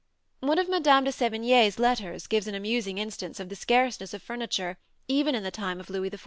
One of Madame de Sévigné's letters gives an amusing instance of the scarceness of furniture even in the time of Louis XIV.